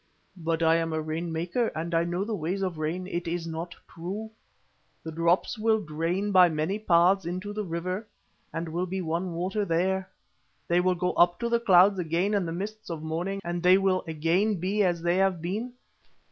But I am a rain maker, and I know the ways of rain. It is not true. The drops will drain by many paths into the river, and will be one water there. They will go up to the clouds again in the mists of morning, and there will again be as they have been.